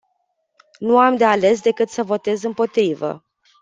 Nu am de ales decât să votez împotrivă.